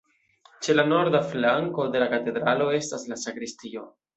Ĉe la norda flanko de la katedralo estas la sakristio.